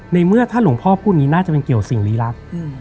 ในเมื่อถ้าหลวงพ่อพูดนี้น่าจะเป็นเกี่ยวสิ่งลี้ลับ